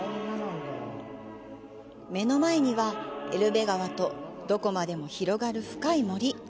目の前には、エルベ川とどこまでも広がる深い森。